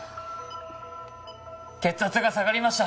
血圧が下がりました。